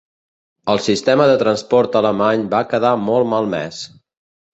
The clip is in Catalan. El sistema de transport alemany va quedar molt malmès.